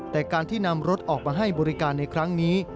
แต่การที่นำรถออกมาให้บริการในครั้งนี้